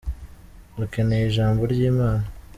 Dukeneye ijambo ryi Mana.